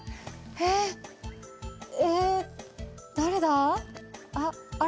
え誰だ？